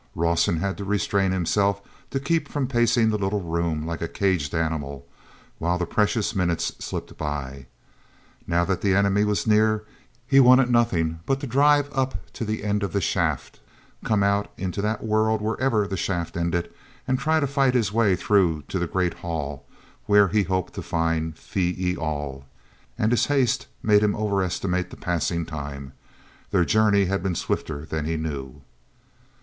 Rawson had to restrain himself to keep from pacing the little room like a caged animal while the precious minutes slipped by. Now that the enemy was near he wanted nothing but to drive on up to the end of the shaft, come out into that world wherever the shaft ended, then try to fight his way through to the great hall where he hoped to find Phee e al. And his haste made him overestimate the passing time; their journey had been swifter than he knew.